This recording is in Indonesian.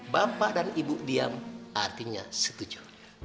bapak dan ibu diam artinya setuju